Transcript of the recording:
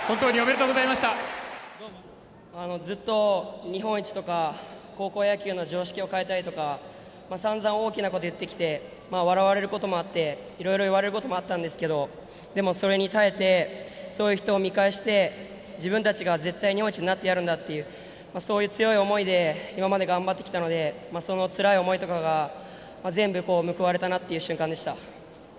ずっと日本一とか高校野球の常識を変えたいとか散々、大きなことを言ってきて笑われることもあっていろいろ言われることもあったんですけどでも、それに耐えてそういう人を見返して自分たちが絶対日本一になってやるんだという強い思いで今まで頑張ってきたのでその、つらい思いが全部報われたなという瞬間でした。